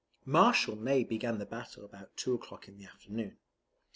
Marshal Ney began the battle about two o'clock in the afternoon.